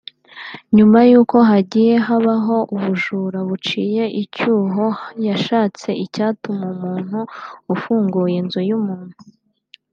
Nyuma yuko hagiye habaho ubujura buciye icyuho yashatse icyatuma umuntu ufunguye inzu y’umuntu